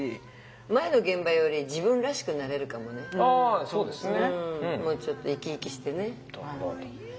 あそうですね。